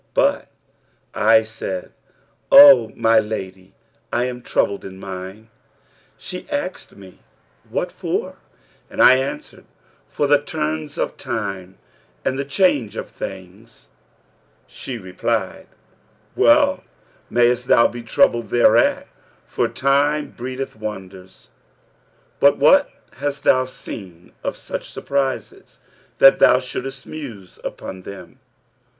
But I said, 'O my lady, I am troubled in mind.' She asked me 'for what?' and I answered, 'For the turns of Time and the change of things.' Replied she, 'Well mayst thou be troubled thereat for Time breedeth wonders. But what hast thou seen of such surprises that thou shouldst muse upon them?'